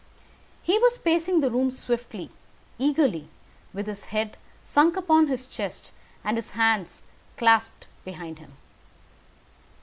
He was pacing the room swiftly, eagerly, with his head sunk upon his chest, and his hands clasped behind him.